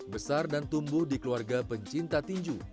besar dan tumbuh di keluarga pencinta tinju